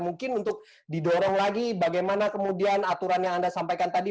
mungkin untuk didorong lagi bagaimana kemudian aturan yang anda sampaikan tadi